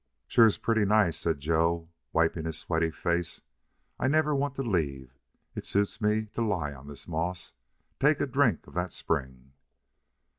"Sure's pretty nice," said Joe, wiping his sweaty face. "I'll never want to leave. It suits me to lie on this moss.... Take a drink of that spring."